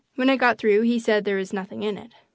When I got through he said there was "nothing in it."